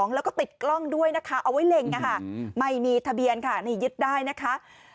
แล้วก็ติดกล้องด้วยนะคะเอาไว้เล็งนะคะไม่มีทะเบียนค่ะนี่ยึดได้นะคะ